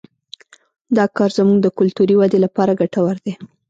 دا کار زموږ د کلتوري ودې لپاره ګټور دی